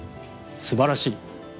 すばらしい。